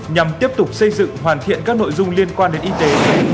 nhằm tiếp tục xây dựng hoàn thiện các nội dung liên quan đến y tế